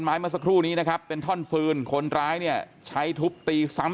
เมื่อสักครู่นี้นะครับเป็นท่อนฟืนคนร้ายเนี่ยใช้ทุบตีซ้ำ